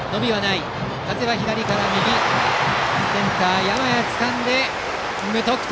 センター、山家がつかんで無得点。